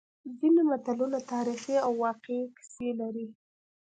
ځینې متلونه تاریخي او واقعي کیسې لري